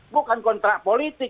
bukan kontrak politik